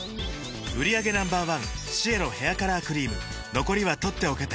売上№１シエロヘアカラークリーム残りは取っておけて